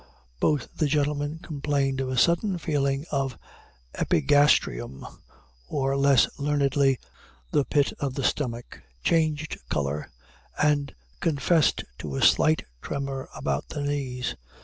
Both the gentlemen complained of a sudden feeling at the epigastrium, or, less learnedly, the pit of the stomach, changed color, and confessed to a slight tremor about the knees.